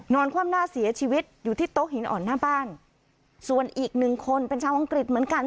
คว่ำหน้าเสียชีวิตอยู่ที่โต๊ะหินอ่อนหน้าบ้านส่วนอีกหนึ่งคนเป็นชาวอังกฤษเหมือนกัน